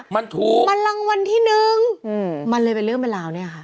มันถูกมันรางวัลที่หนึ่งอืมมันเลยเป็นเรื่องเป็นราวเนี่ยค่ะ